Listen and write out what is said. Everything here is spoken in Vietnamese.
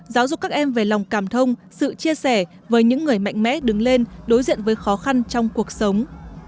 giáo dục các em về lòng cảm thông sự chia sẻ với những người mạnh mẽ đứng lên đối diện với khó khăn trong cuộc sống